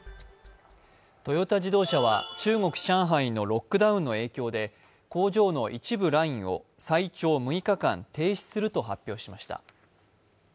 トヨタ自動車は中国・上海のロックダウンの影響で工場の一部ラインを最長６日間、停止すると発表しました。